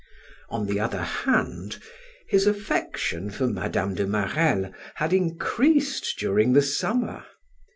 On the other hand, his affection for Mme. de Marelle had increased during the summer.